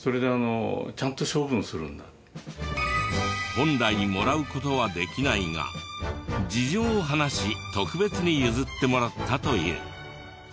本来もらう事はできないが事情を話し特別に譲ってもらったという。